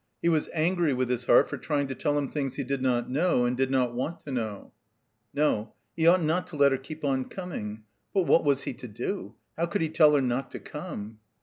He was angry with his heart for trying to tell him things he did not know and did not want to know. No. He ought not to let her keep on coming. But what was he to do? How could he tell her not to come?